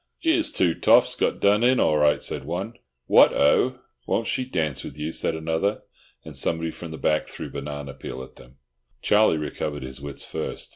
"'Ere's two toffs got done in all right," said one. "What O! Won't she darnce with you?" said another; and somebody from the back threw banana peel at them. Charlie recovered his wits first.